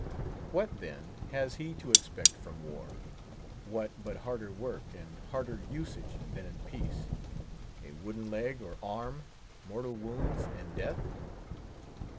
What, then, has he to expect from war? What but harder work, and harder usage than in peace; a wooden leg or arm; mortal wounds, and death?